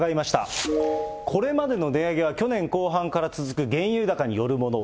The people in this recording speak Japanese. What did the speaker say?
これまでの値上げは、去年後半から続く原油高によるもの。